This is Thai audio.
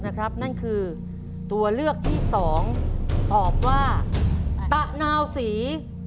ตานาศีเป็นคำตอบที่